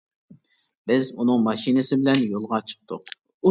بىز ئۇنىڭ ماشىنىسى بىلەن يولغا چىقتۇق.